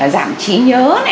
giảm trí nhớ